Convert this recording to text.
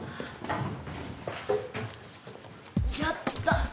やった！